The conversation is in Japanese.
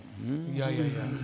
いやいやいや。